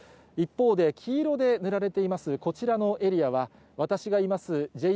一方で、黄色で塗られています、こちらのエリアは、私がいます